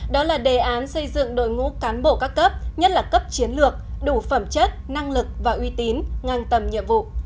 đó là đề án xây dựng đội ngũ cán bộ các cấp nhất là cấp chiến lược đủ phẩm chất năng lực và uy tín ngang tầm nhiệm vụ